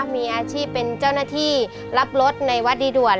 มีอาชีพเป็นเจ้าหน้าที่รับรถในวัดดีด่วน